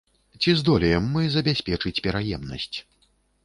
Ці здолеем мы забяспечыць пераемнасць?